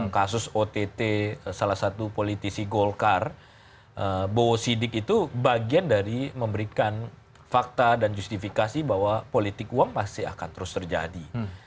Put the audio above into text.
kasus ott salah satu politisi golkar bowo sidik itu bagian dari memberikan fakta dan justifikasi bahwa politik uang pasti akan terus terjadi